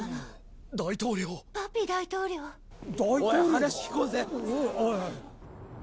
おい話聞こうぜ。